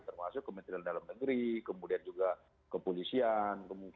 termasuk kementerian dalam negeri kemudian juga kepolisian